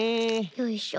よいしょ。